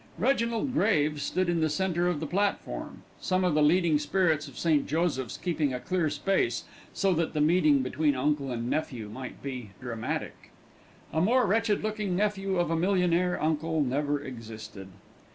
Reginald Graves stood in the centre of the platform, some of the leading spirits of St. Joseph's keeping a clear space so that the meeting between uncle and nephew might be dramatic. A more wretched looking nephew of a millionaire uncle never existed.